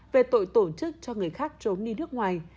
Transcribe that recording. về tội tổ chức cho người khác trốn đi nước ngoài